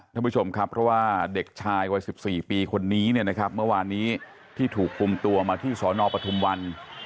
ท่านผู้ชมครับเพราะว่าเด็กชายวัย๑๔ปีคนนี้เนี่ยนะครับเมื่อวานนี้ที่ถูกคุมตัวมาที่สนปทุมวัน